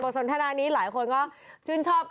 สนทนานี้หลายคนก็ชื่นชอบ